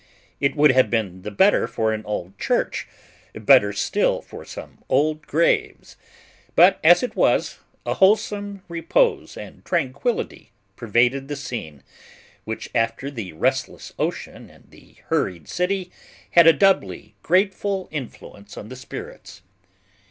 It would have been the better for an old church; better still for some old graves; but as it was, a wholesome repose and tranquillity pervaded the scene, which after the restless ocean and the hurried city, had a doubly grateful influence on the spirits.